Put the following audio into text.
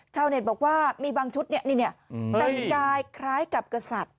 ชาวเน็ตบอกว่ามีบางชุดเนี่ยนี่เนี่ยเอ้ยแต่งกายคล้ายกับกษัตริย์